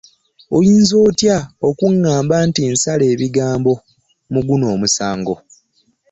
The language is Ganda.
Olinza otya okungamba nti nsala ebigambo mu guno omusango?